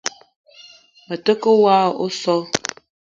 Me ta ke woko oso.